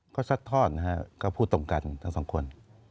ก็ซัดทอดนะฮะก็พูดตรงกันทั้งสองคน